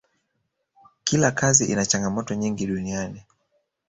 kila kazi ina changamoto nyingi duniani